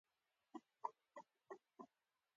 څوارلس سوو کالو په اوږدو کې بل عادل خلیفه پیدا نشو.